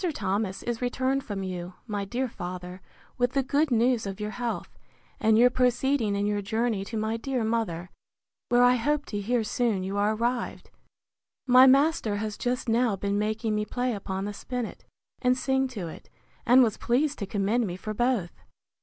Thomas is returned from you, my dear father, with the good news of your health, and your proceeding in your journey to my dear mother, where I hope to hear soon you are arrived. My master has just now been making me play upon the spinnet, and sing to it; and was pleased to commend me for both.